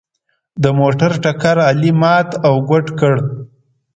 د موټر ټکر علي مات او ګوډ کړ.